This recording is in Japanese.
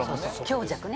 強弱ね。